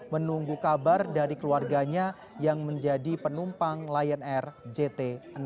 menunggu kabar dari keluarganya yang menjadi penumpang lion air jt enam ratus sepuluh